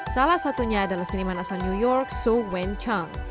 salah satunya adalah seniman asal new york so wen chong